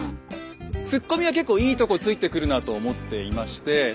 突っ込みは結構いいとこ突いてくるなと思っていまして。